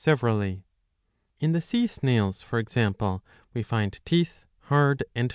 5. severally. In the Sea snails, for example, we find teeth, hard and.